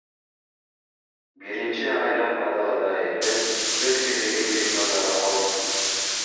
Биринчи айлампадагыдай эле сөз кезегин Бекназаров алды.